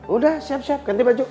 udah siap siap ganti baju